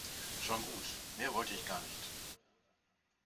Schon gut, mehr wollte ich gar nicht.